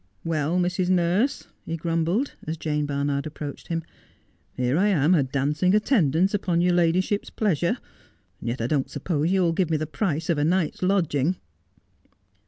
' Well, Mrs. Nurse,' he grumbled, as Jane Barnard ap proached him. 'Here I am a dancing attendance upon your ladyship's pleasure, and yet I don't suppose you'll give me the price of a night's lodging.'